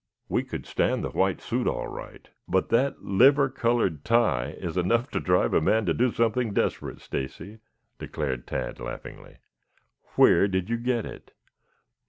"We could stand the white suit all right. But that liver colored tie is enough to drive a man to do something desperate, Stacy," declared Tad laughingly. "Where did you get it?"